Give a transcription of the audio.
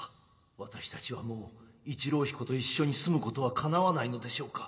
私たちはもう一郎彦と一緒に住むことはかなわないのでしょうか？